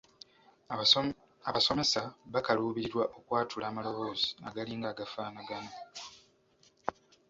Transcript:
Abasomesa bakaluubirirwa okwatula amaloboozi agalinga agafaanagana.